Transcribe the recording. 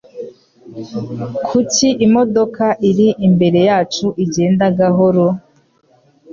Kuki imodoka iri imbere yacu igenda gahoro?